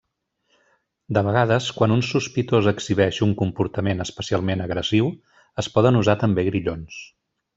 De vegades quan un sospitós exhibeix un comportament especialment agressiu, es poden usar també grillons.